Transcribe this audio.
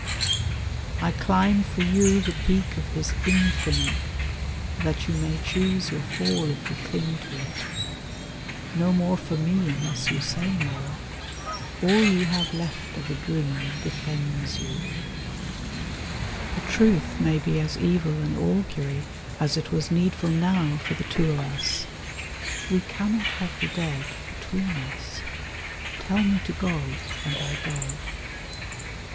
"I climb for you the peak of his infamy That you may choose your fall if you cling to it. No more for me unless you say more. All you have left of a dream defends you: "The truth may be as evil an augury As it was needful now for the two of us. We cannot have the dead between us. Tell me to go, and I go."